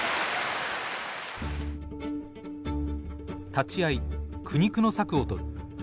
立ち合い苦肉の策をとる。